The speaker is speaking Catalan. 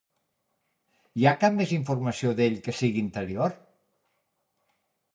Hi ha cap més informació d'ell que sigui anterior?